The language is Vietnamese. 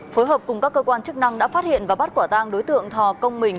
phối hợp cùng các cơ quan chức năng đã phát hiện và bắt quả tang đối tượng thò công mình